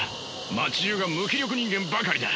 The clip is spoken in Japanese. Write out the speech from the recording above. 街じゅうが無気力人間ばかりだ。